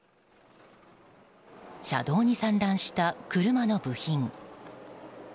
車道に散乱した車の部品。